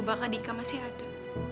coba kak dika masih ada